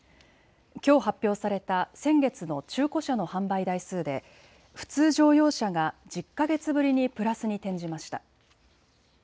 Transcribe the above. きょう発表された先月の中古車の販売台数で普通乗用車が１０か月ぶりにプラスに転じました。